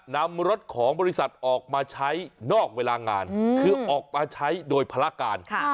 นำรถของบริษัทออกมาใช้นอกเวลางานคือออกมาใช้โดยภารการ